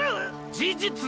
事実だろ！！